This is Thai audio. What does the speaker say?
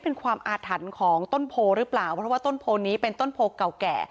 เป็นความอาถรรพ์ของต้นโพหรือเปล่าเพราะว่าต้นโพนี้เป็นต้นโพเก่าแก่